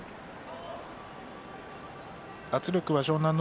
圧力は湘南乃